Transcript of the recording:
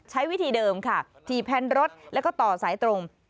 ใช้วิธีเดิมที่แพ้นรถและต่อสายตรง